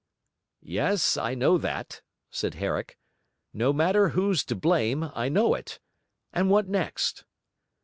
'Yes, I know that,' said Herrick. 'No matter who's to blame, I know it. And what next?'